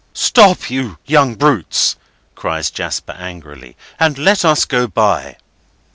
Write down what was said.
"Stop, you young brutes," cries Jasper angrily, "and let us go by!"